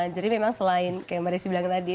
jadi memang selain kayak maris bilang tadi